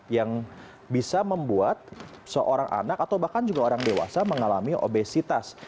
yang bisa membuat seorang anak atau bahkan juga orang dewasa mengalami obesitas